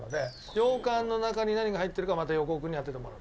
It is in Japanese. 羊羹の中に何が入ってるかまた、横尾君に当ててもらう。